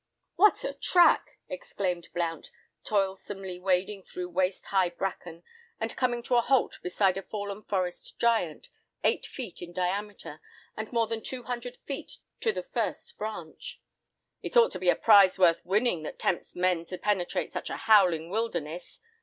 "What a track!" exclaimed Blount, toilsomely wading through waist high bracken, and coming to a halt beside a fallen forest giant, eight feet in diameter, and more than two hundred feet to the first branch. "It ought to be a prize worth winning that tempts men to penetrate such a howling wilderness.